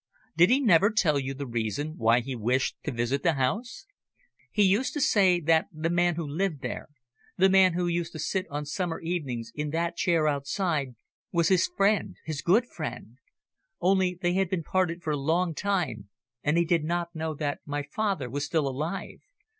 "Did he never tell you the reason why he wished to visit that house." "He used to say that the man who lived there the man who used to sit on summer evenings in that chair outside, was his friend his good friend; only they had been parted for a long time, and he did not know that my father was still alive.